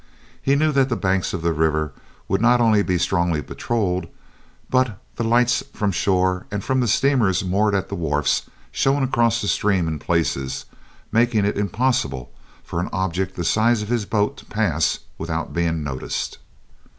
He knew that the banks of the river would not only be strongly patrolled, but the lights from the shore and from the steamers moored at the wharfs shone across the stream in places, making it impossible for an object the size of his boat to pass without being noticed.